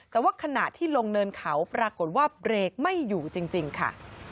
แต่ว่าขณะที่ลงเนินเขาปรากฏว่าเบรกไม่อยู่จริงค่ะ